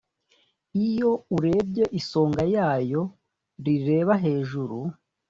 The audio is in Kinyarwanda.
iyo urebye isonga yayo rireba hejuru,